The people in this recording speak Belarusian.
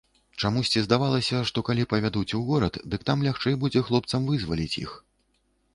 Чамусьці здавалася, што калі павядуць у горад, дык там лягчэй будзе хлопцам вызваліць іх.